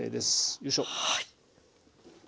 よいしょ。